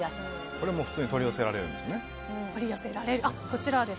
これは普通に取り寄せられるんですよね。